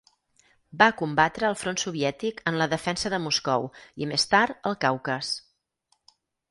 Va combatre al front soviètic en la defensa de Moscou i, més tard, al Caucas.